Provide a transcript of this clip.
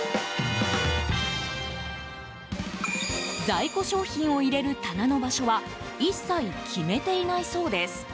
在庫商品を入れる棚の場所は一切決めていないそうです。